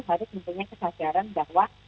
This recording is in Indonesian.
harus mempunyai kesadaran bahwa